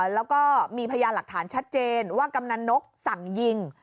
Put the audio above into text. แล้วก็มีพยานหลักฐานชัดเจนว่ากำนันนกสั่งยิง